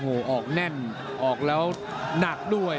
โอ้โหออกแน่นออกแล้วหนักด้วย